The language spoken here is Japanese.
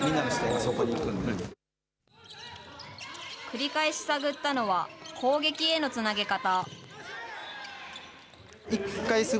繰り返し探ったのは、攻撃へのつなげ方。